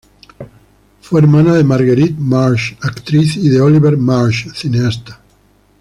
Fue hermana de Marguerite Marsh, actriz, y de Oliver Marsh, cineasta.